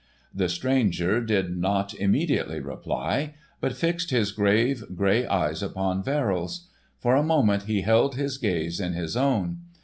The stranger did not immediately reply, but fixed his grave grey eyes upon Verrill's. For a moment he held his gaze in his own.